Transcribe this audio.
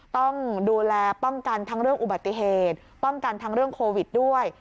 ต้องดูแลป้องกันทั้งเรื่องอุบัติเหตุป้องกันทั้งเรื่องโควิดด้วย